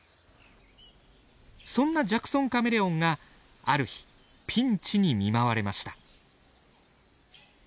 そんなジャクソンカメレオンがある日ピンチに見舞われました。